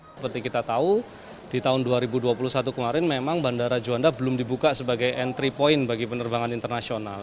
seperti kita tahu di tahun dua ribu dua puluh satu kemarin memang bandara juanda belum dibuka sebagai entry point bagi penerbangan internasional